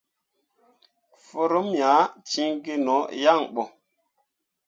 Forummi ah ciŋ gi no yaŋ ɓo.